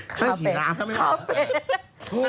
ข้าวเป็น